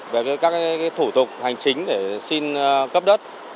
về các thủ tục hành chính để xin cấp đất